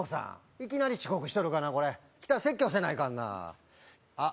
いきなり遅刻しとるがなこれ来たら説教せないかんなあっ